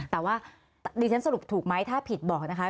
แต่ว่าดิฉันสรุปถูกไหมถ้าผิดบอกนะคะ